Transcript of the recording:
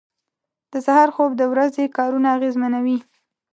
• د سهار خوب د ورځې کارونه اغېزمنوي.